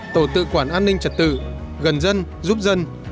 tổ tự quản an ninh trật tự gần dân giúp dân